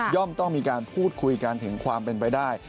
ต้องมีการพูดคุยกันถึงความเป็นไปได้